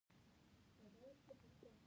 مچان د ناروغۍ وېره پیدا کوي